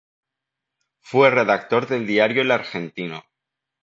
Fue redactor del diario "El Argentino".